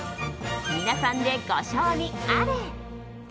皆さんでご賞味あれ！